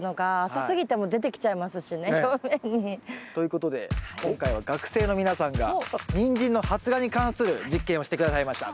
浅すぎても出てきちゃいますしね表面に。ということで今回は学生の皆さんがニンジンの発芽に関する実験をして下さいました。